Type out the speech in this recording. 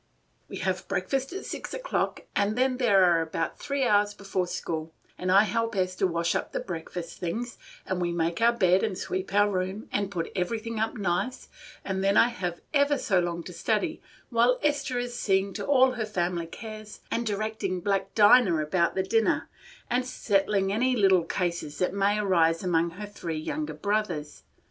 "We have breakfast at six o'clock, and then there are about three hours before school, and I help Esther wash up the breakfast things, and we make our bed and sweep our room, and put everything up nice, and then I have ever so long to study, while Esther is seeing to all her family cares and directing black Dinah about the dinner, and settling any little cases that may arise among her three younger brothers.